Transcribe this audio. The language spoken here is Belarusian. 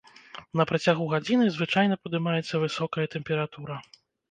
На працягу гадзіны звычайна падымаецца высокая тэмпература.